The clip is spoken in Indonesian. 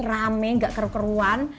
rame nggak keruan keruan